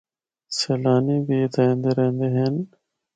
سیلانی بھی اِتھا ایندے رہندے ہن۔